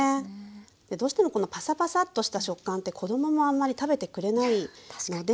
どうしてもこのパサパサッとした食感って子供もあんまり食べてくれないので。